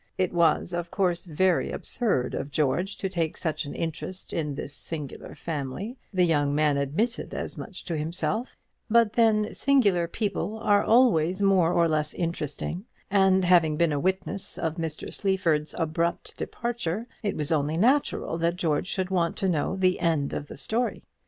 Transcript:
It was, of course, very absurd of George to take such an interest in this singular family; the young man admitted as much himself; but, then, singular people are always more or less interesting; and, having been a witness of Mr. Sleaford's abrupt departure, it was only natural that George should want to know the end of the story.